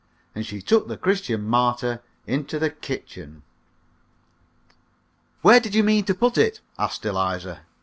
And she took the "Christian Martyr" into the kitchen. "Where did you mean to put it?" asked Eliza.